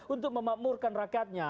untuk memakmurkan rakyatnya